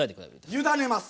委ねます。